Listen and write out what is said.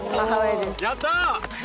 やった！